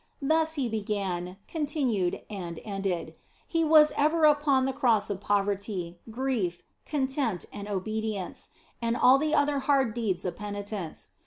Thus He began, continued, and ended ; He was ever upon the Cross of poverty, grief, contempt, and obedience, and all the other hard deeds of penitence.